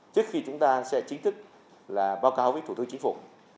trước khi chúng ta sẽ chính thức báo cáo với thủ tướng chính phủ